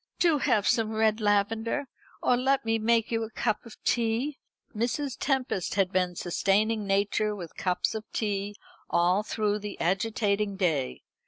"Do have some red lavender. Or let me make you a cup of tea." Mrs. Tempest had been sustaining nature with cups of tea all through the agitating day.